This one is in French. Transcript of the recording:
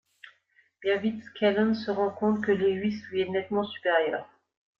Bien vite Scanlon se rend compte que Lewis lui est nettement supérieur.